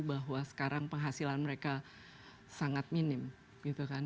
bahwa sekarang penghasilan mereka sangat minim gitu kan